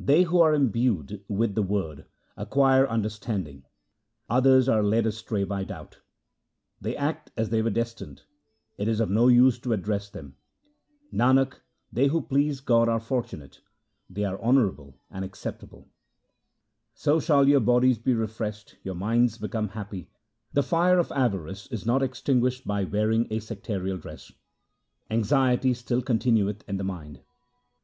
They who are imbued with the Word acquire under standing ; others are led astray by doubt. They act as they were destined ; it is of no use to address them. Nanak, they who please God are fortunate ; they are honoured and acceptable. The fire of avarice is not extinguished by wearing a sectarial dress ; anxiety still continueth in the mind.